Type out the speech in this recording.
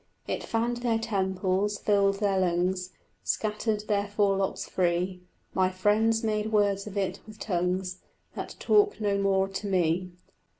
It fanned their temples, filled their lungs, Scattered their forelocks free; My friends made words of it with tongues That talk no more to me.